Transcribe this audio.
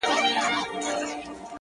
مـــــه كـــــوه او مـــه اشـــنـــا’